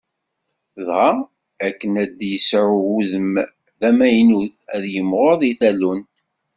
Dɣa, akken ad yesɛu udem d amaynut, ad yimɣur di tallunt.